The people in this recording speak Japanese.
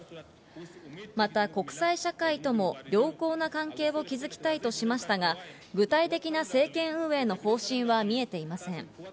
また国際社会とも良好な関係を築きたいとしましたが、具体的な政権運営の方針は見えていません。